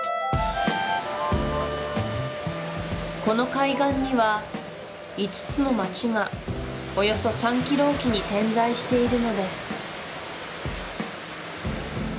この海岸には５つの町がおよそ３ｋｍおきに点在しているのです